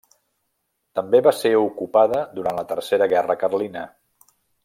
També va ser ocupada durant la Tercera guerra carlina.